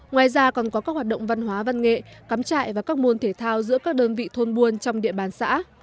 ngoài ra còn có các hoạt động văn hóa văn nghệ cắm trại và các môn thể thao giữa các đơn vị thôn buôn trong địa bàn xã